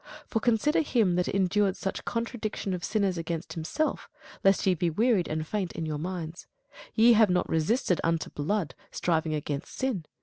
For consider him that endured such contradiction of sinners against himself, lest ye be wearied and faint in your minds. Ye have not yet resisted unto blood, striving against sin.